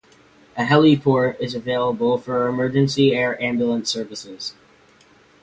A heliport is available for emergency air ambulance service.